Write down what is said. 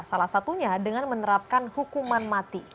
salah satunya dengan menerapkan hukuman mati